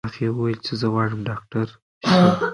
هغې وویل چې زه غواړم ډاکټره شم.